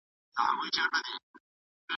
زه د وټساپ چینلونه جوړوم.